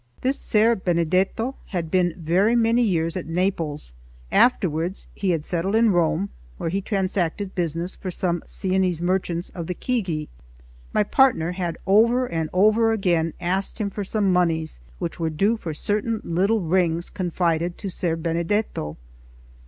This Ser Benedetto had been very many years at Naples; afterwards he had settled in Rome, where he transacted business for some Sienese merchants of the Chigi. My partner had over and over again asked him for some moneys which were due for certain little rings confided to Ser Benedetto.